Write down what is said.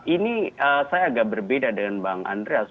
ini saya agak berbeda dengan bang andreas